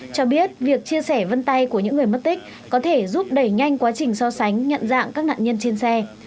cho biết việc chia sẻ vân tay của những người mất tích có thể giúp đẩy nhanh quá trình so sánh nhận dạng các nạn nhân trên xe